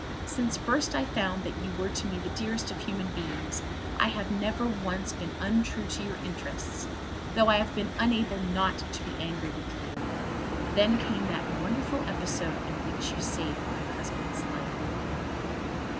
Since first I found that you were to me the dearest of human beings I have never once been untrue to your interests, though I have been unable not to be angry with you. Then came that wonderful episode in which you saved my husband's life."